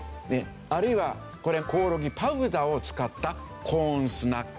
あるいはこれコオロギパウダーを使ったコーンスナック。